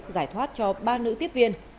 giải thoát cho ba nữ tiếp viên